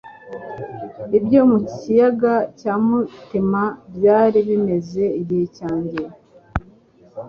ibyo mu kiyaga cyumutima byari bimaze igihe cyanjye